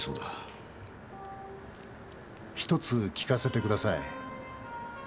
１つ聞かせてください。